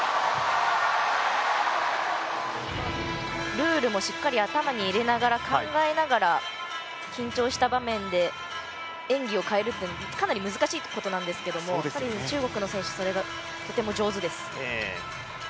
ルールもしっかり頭に入れながら考えながら緊張した場面で演技を変えるというのはかなり難しいことなんですけどやはり中国の選手、それがとても上手です。